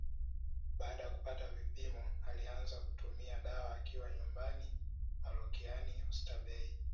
Baada ya kupata vipimo alianza kutumia dawa akiwa nyumbani parokiani ostabei